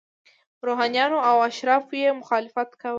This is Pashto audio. روحانینو او اشرافو یې مخالفت کاوه.